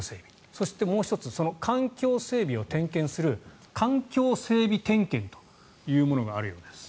そして、もう１つ環境整備を点検する環境整備点検というものがあるようです。